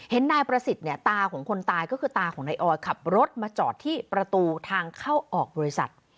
นายประสิทธิ์เนี่ยตาของคนตายก็คือตาของนายออยขับรถมาจอดที่ประตูทางเข้าออกบริษัท